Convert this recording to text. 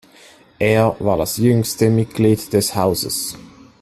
Er war jüngstes Mitglied des Hauses.